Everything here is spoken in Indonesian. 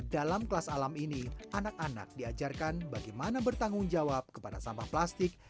dalam kelas alam ini anak anak diajarkan bagaimana bertanggung jawab kepada sampah plastik